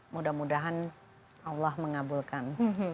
mudah mudahan allah mengabulkan